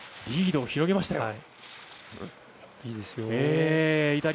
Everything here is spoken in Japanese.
リードを広げました。